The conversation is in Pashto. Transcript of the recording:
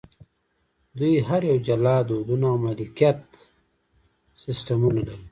دوی هر یو جلا دودونه او مالکیت سیستمونه لري.